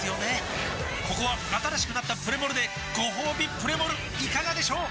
ここは新しくなったプレモルでごほうびプレモルいかがでしょう？